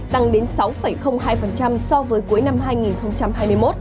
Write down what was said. tăng đến sáu hai so với cuối năm hai nghìn hai mươi một